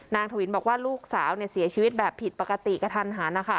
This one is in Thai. ถวินบอกว่าลูกสาวเสียชีวิตแบบผิดปกติกระทันหันนะคะ